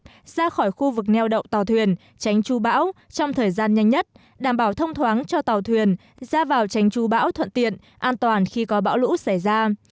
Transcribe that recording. bão ra khỏi khu vực neo đậu tàu thuyền tránh chú bão trong thời gian nhanh nhất đảm bảo thông thoáng cho tàu thuyền ra vào tránh chú bão thuận tiện an toàn khi có bão lũ xảy ra